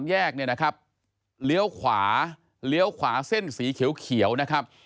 ๓แยกนี่นะครับเลี้ยวขวาเส้นสีเขียวนะครับ